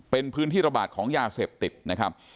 เป็นพื้นที่ระบาดของยาเสพติด